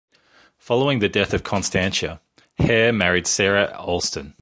Following the death of Constantia, Hare married Sarah Alston.